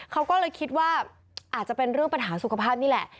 เขาก็เลยคิดว่าอาจจะเป็นเรื่องปัญหาสุขภาพนี่แหละ